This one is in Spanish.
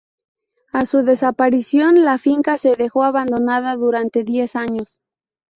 A su desaparición la finca se dejó abandonada durante diez años.